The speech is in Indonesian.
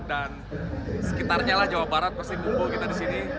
dan sekitarnya lah jawa barat pasti kumpul kita di sini